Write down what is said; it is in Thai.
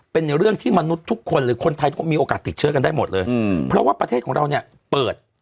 เป็นเรื่องที่มนุษย์ทุกคนหรือคนไทยมีโอกาสติดเชื้อกันได้หมดเลยเพราะว่าประเทศของเราเนี่ยเปิด